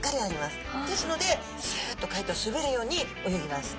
ですのでスッと海底をすべるように泳ぎます。